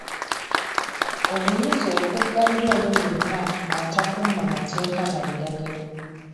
Obuyinza okuggalira oyo yenna atakuuma mateeka na biragiro.